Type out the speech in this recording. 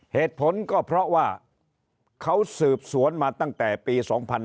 เหตุผลก็เพราะว่าเขาสืบสวนมาตั้งแต่ปี๒๕๕๙